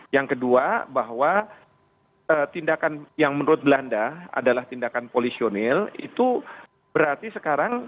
yang kedua bahwa tindakan yang menurut belanda adalah tindakan polisionil itu berarti sekarang